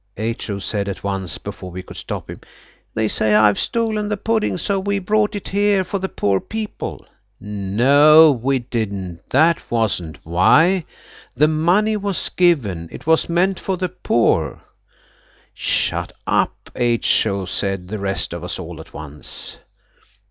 H.O. said at once, before we could stop him, "They say I've stolen the pudding, so we've brought it here for the poor people." "No, we didn't!" "That wasn't why!" "The money was given!" "It was meant for the poor!" "Shut up, H.O.!" said the rest of us all at once.